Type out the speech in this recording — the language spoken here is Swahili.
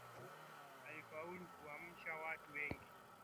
Alifaulu kuamsha watu wengi dhidi ya biashara ya watumwa